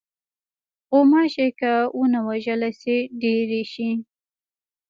غوماشې که ونه وژلې شي، ډېرې شي.